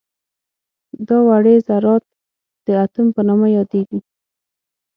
دا وړې ذرات د اتوم په نامه یادیږي.